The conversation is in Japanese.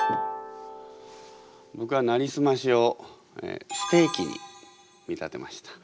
僕は「なりすまし」をステーキに見立てました。